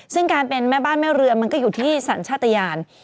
ซึ่งการเป็นแม่บ้านแม่เรือมันก็อยู่ที่สัญชาติยาน